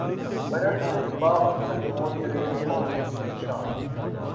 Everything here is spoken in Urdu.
برف میں دبا مکھن موت ریل اور رکشا